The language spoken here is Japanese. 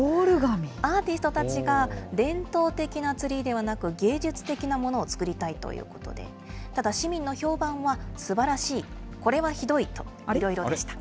アーティストたちが、伝統的なツリーではなく、芸術的なものを作りたいということで、ただ、市民の評判はすばらしい、これはひどい、いろいろでした。